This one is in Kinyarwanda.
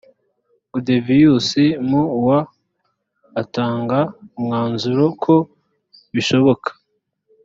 gudovius mu wa atanga umwanzuro ko bishoboka